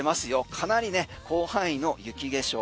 かなり広範囲の雪化粧。